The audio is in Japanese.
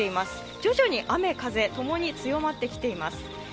徐々に雨・風共に強まってきています。